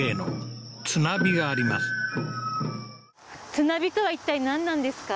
綱火とは一体何なんですか？